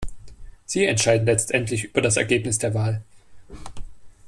Sie entscheiden letztendlich über das Ergebnis der Wahl.